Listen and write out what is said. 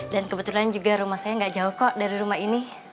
dan kebetulan juga rumah saya nggak jauh kok dari rumah ini